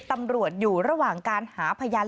ตำรวจอยู่ระหว่างการหาพยาน